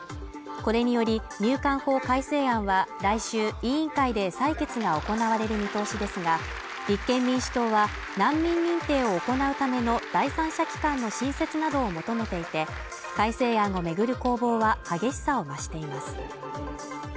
これにより、入管法改正案は、来週、委員会で採決が行われる見通しですが立憲民主党は、難民認定を行うための第三者機関の新設などを求めていて、改正案を巡る攻防は激しさを増しています。